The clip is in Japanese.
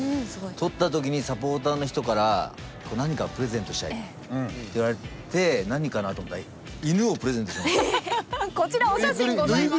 取った時にサポーターの人から何かプレゼントしたいって言われて何かなと思ったら犬をプレゼントしてもらいました。